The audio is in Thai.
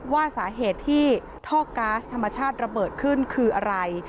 ว่าสาเหตุที่ท่อก๊าซธรรมชาติระเบิดขึ้นคืออะไร